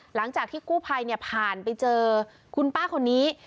หลังจากที่กู้ภัยผ่านไปเจอคุณป้าคนนี้